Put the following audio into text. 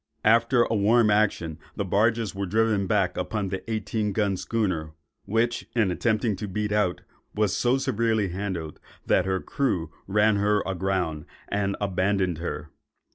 After a warm action, the barges were driven back upon the eighteen gun schooner, which, in attempting to beat out, was so severely handled, that her crew ran her aground and abandoned her.